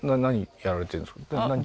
やられてるんですか？